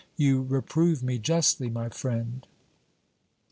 You reprove me justly, my friend.'